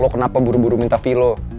lo kenapa buru buru minta fee lo